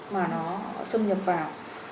mà nó xâm nhập vào